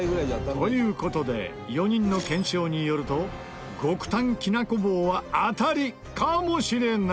という事で４人の検証によると極短きなこ棒は当たりかもしれない。